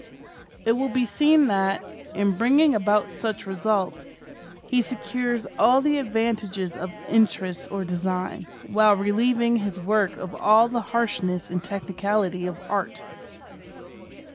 It will be seen that, in bringing about such result, he secures all the advantages of interest or design, while relieving his work of all the harshness and technicality of Art.